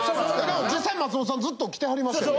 実際松本さんずっと着てはりましたよね。